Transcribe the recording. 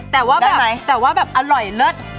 ได้ไหมแต่ว่าแบบอร่อยเลิศ